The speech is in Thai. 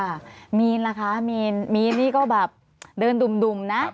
มีนล่ะคะมีนมีนนี่ก็แบบเดินดุ่มนะ